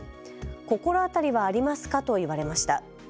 心当たりはありますかと言われました。